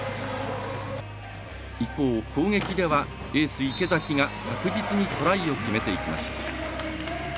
一方、攻撃ではエース池崎が確実にトライを決めていきます。